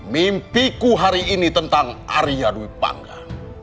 mimpiku hari ini tentang arya durpanga